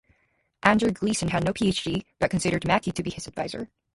Andrew Gleason had no PhD, but considered Mackey to be his advisor.